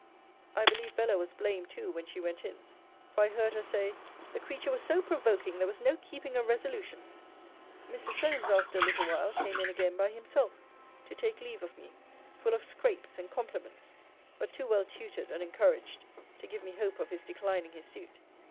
I believe Bella was blamed, too, when she went in; for I heard her say, the creature was so provoking, there was no keeping a resolution. Mr. Solmes, after a little while, came in again by himself, to take leave of me: full of scrapes and compliments; but too well tutored and encouraged, to give me hope of his declining his suit.